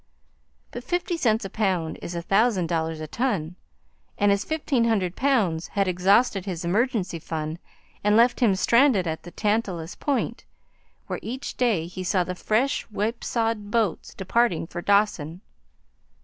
But fifty cents a pound is a thousand dollars a ton, and his fifteen hundred pounds had exhausted his emergency fund and left him stranded at the Tantalus point where each day he saw the fresh whipsawed boats departing for Dawson.